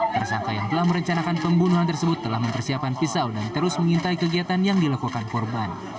tersangka yang telah merencanakan pembunuhan tersebut telah mempersiapkan pisau dan terus mengintai kegiatan yang dilakukan korban